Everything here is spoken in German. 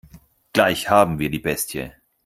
Gleich haben wir die Bestie.